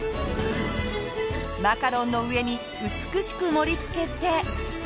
マカロンの上に美しく盛りつけて。